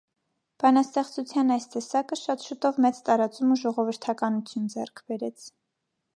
Բանաստեղծության այս տեսակը շատ շուտով մեծ տարածում ու ժողովրդականություն ձեռք բերեց։